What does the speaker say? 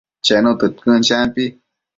Chenu tëdquën, champi